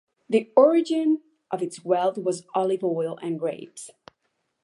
The origin of its wealth was olive oil and grapes.